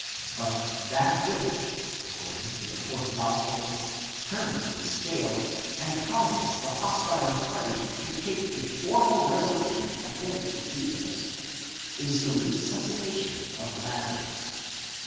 But that which, according to the fourth gospel, turns the scale, and causes the hostile party to take a for mal resolution against Jesus, is the resuscitation of Lazarus.